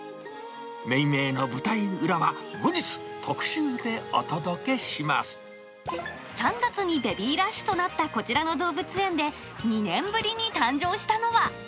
命名の舞台裏は、後日、特集でお３月にベビーラッシュとなったこちらの動物園で、２年ぶりに誕生したのは。